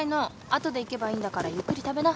後で行けばいいんだからゆっくり食べな。